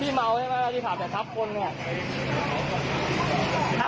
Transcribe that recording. พี่เมาใช่ไหมพี่ขับแต่ทับคนเนี้ยทับก็กลัวให้จ่ายไงโอเคจ่าย